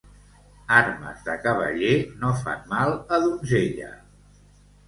Armes de cavaller no fan mal a donzella.